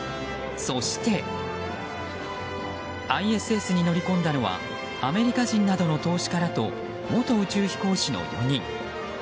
そして、ＩＳＳに乗り込んだのはアメリカ人などの投資家らと元宇宙飛行士の４人。